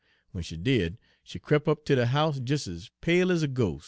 W'en she did, she crep' up ter de house des ez pale ez a ghos'.